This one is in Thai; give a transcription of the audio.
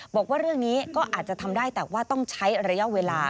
บอกว่าเรื่องนี้ก็อาจจะทำได้แต่ว่าต้องใช้ระยะเวลา